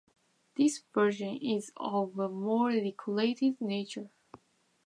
This version is of a more decorated nature.